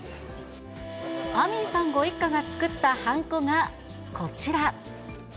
アミンさんご一家が作ったはんこがこちら。